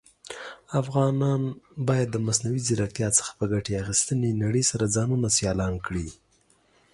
افغانان بايد د مصنوعى ځيرکتيا څخه په ګټي اخيستنې نړئ سره ځانونه سيالان کړى.